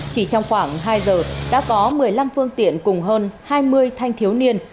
chỉ trong khoảng hai giờ đã có một mươi năm phương tiện cùng hơn hai mươi thanh thiếu niên